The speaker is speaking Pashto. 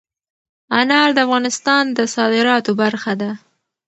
انار د افغانستان د صادراتو برخه ده.